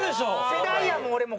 世代やもん俺も。